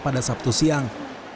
pada sabtu siang